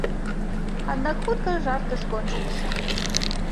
Аднак хутка жарты скончыліся.